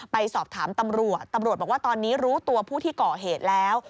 ไปสอบถามตำรวจตำรวจบอกว่าตอนนี้รู้ตัวผู้ที่ก่อเหตุแล้ว